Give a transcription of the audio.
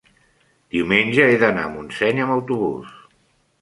diumenge he d'anar a Montseny amb autobús.